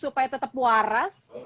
supaya tetep waras